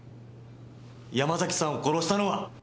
山崎さんを殺したのは。